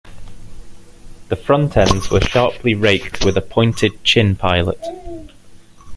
The front ends were sharply raked, with a pointed "chin" pilot.